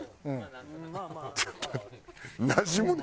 ちょっとなじむね。